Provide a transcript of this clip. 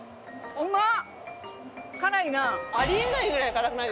うまっ！